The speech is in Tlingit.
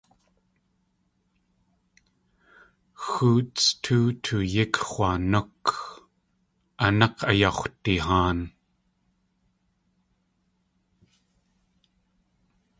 Xóots tóo tuyík-x̲waanúk; a nák̲ ayax̲wdihaan.